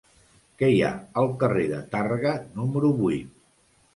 Què hi ha al carrer de Tàrrega número vuit?